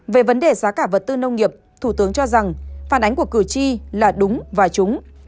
về vấn đề giá cả vật tư nông nghiệp thủ tướng cho rằng phản ánh của cử tri là đúng và trúng